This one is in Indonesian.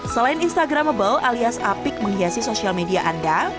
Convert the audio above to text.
selain instagramable alias apik menghiasi sosial media anda